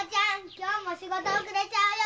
今日も仕事遅れちゃうよ。